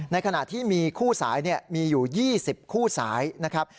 ขณะที่มีคู่สายมีอยู่๒๐คู่สายนะครับ